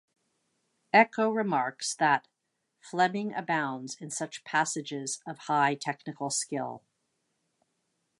Eco remarks that "Fleming abounds in such passages of high technical skill".